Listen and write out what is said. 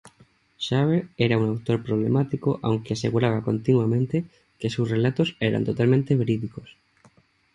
Shaver era un autor problemático aunque aseguraba continuamente que sus relatos eran totalmente verídicos.